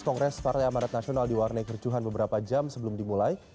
kongres partai amanat nasional diwarnai kericuhan beberapa jam sebelum dimulai